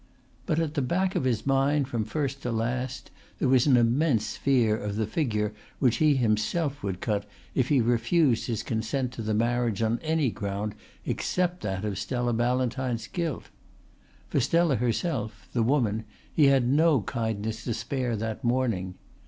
But at the back of his mind from first to last there was an immense fear of the figure which he himself would cut if he refused his consent to the marriage on any ground except that of Stella Ballantyne's guilt. For Stella herself, the woman, he had no kindness to spare that morning.